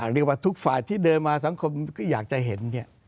เรียกว่าทุกฝ่ายที่เดินมาสังคมก็อยากจะเห็น